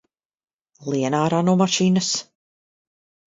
Lien ārā no mašīnas!